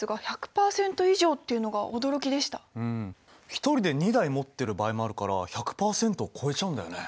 １人で２台持ってる場合もあるから１００％を超えちゃうんだよね。